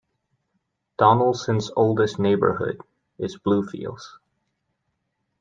Donelson's oldest neighborhood is Bluefields.